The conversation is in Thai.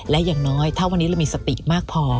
และอย่างน้อยถ้าวันนี้เรามีสติมากพอ